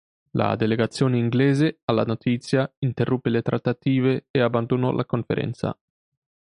La delegazione inglese, alla notizia, interruppe le trattative e abbandonò la conferenza.